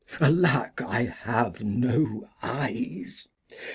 Alack, I have no Eyes.